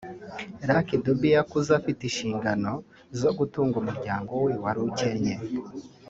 Luck Dube yakuze afite inshingano zo gutunga umuryango we wari ukennye